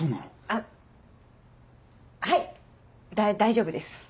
あっはいだ大丈夫です。